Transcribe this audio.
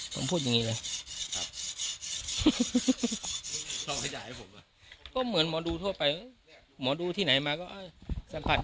ผมพูดอย่างงี้เลยก็เหมือนหมอดูทั่วไปหมอดูที่ไหนมาก็สัมผัส